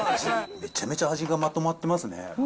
めちゃめちゃ味がまとまってますね。